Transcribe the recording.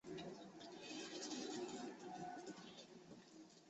那不勒斯港也是一座重要的客运港。